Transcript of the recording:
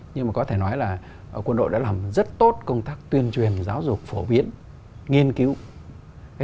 nhưng mà có thể nói là quân đội đã làm rất tốt công tác tuyên truyền giáo dục phổ biến nghiên cứu